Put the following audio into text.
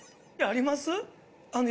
あります？